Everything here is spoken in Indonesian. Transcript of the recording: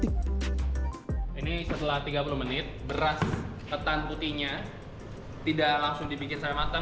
tiga puluh lima orang suamimu maha